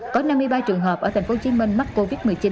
có năm mươi ba trường hợp ở tp hcm mắc covid một mươi chín